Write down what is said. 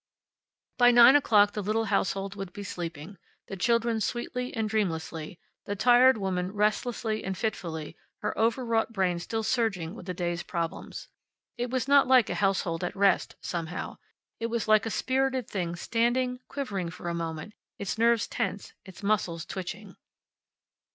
By nine o'clock the little household would be sleeping, the children sweetly and dreamlessly, the tired woman restlessly and fitfully, her overwrought brain still surging with the day's problems. It was not like a household at rest, somehow. It was like a spirited thing standing, quivering for a moment, its nerves tense, its muscles twitching.